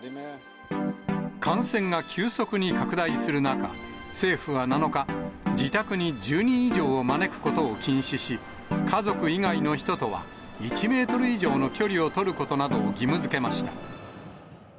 感染が急速に拡大する中、政府は７日、自宅に１０人以上を招くことを禁止し、家族以外の人とは１メートル以上の距離を取ることなどを義務づけました。